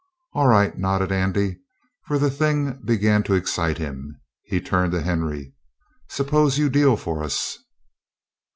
"Alright," nodded Andy, for the thing began to excite him. He turned to Henry. "Suppose you deal for us?"